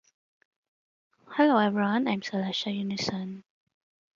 The entire former Abbey complex is part of the Inventory of Swiss Heritage Sites.